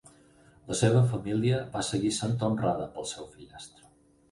La seva família va seguir sent honrada pel seu fillastre.